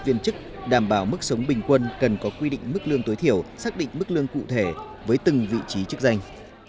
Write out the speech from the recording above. viên chức đảm bảo mức sống bình quân cần có quy định mức lương tối thiểu xác định mức lương cụ thể với từng vị trí chức danh